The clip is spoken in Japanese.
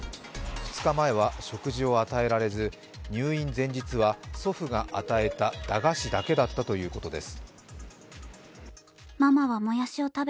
２日前は食事を与えられず入院前日は祖父が与えた駄菓子だけだったということです。